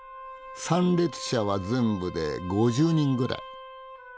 参列者は全部で５０人ぐらい。